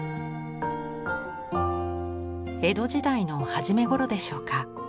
江戸時代の初めごろでしょうか。